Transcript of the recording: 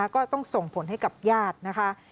ก็ต้องส่งผลให้กับญาตินะคะ